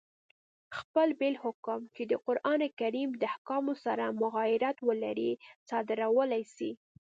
خپل بېل حکم، چي د قرآن کریم د احکامو سره مغایرت ولري، صادرولای سي.